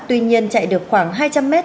tuy nhiên chạy được khoảng hai trăm linh mét